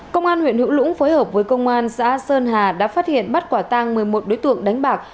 công an huyện hữu lũng phối hợp với công an xã sơn hà đã phát hiện bắt quả tang một mươi một đối tượng đánh bạc